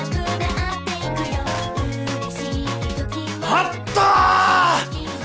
あった！